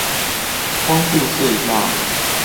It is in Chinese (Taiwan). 光復隧道